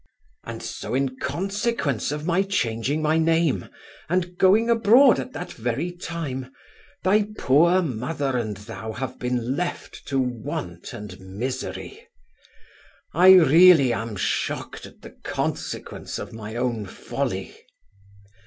'And so in consequence of my changing my name and going abroad at that very time, thy poor mother and thou have been left to want and misery I am really shocked at the consequence of my own folly.